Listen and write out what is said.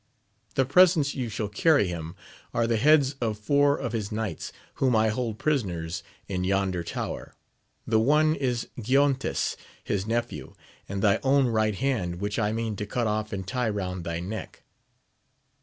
The presents you shall carry him, are the heads of four of his knights, whom I hold prisoners in yonder tower ; the one is Giontes his nephew, and thy own right hand, which I mean to cut off and tie round thy neck.